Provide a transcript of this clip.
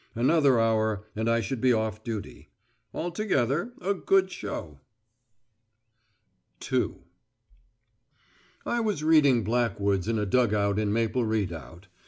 Another hour, and I should be off duty. Altogether, a good show. II I was reading Blackwood's in a dug out in Maple Redoubt.